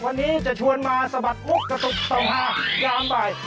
วันนี้จะชวนมาสะบัดมุกกระตุกต่อฮายามบ่าย